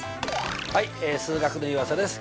はい数学の湯浅です。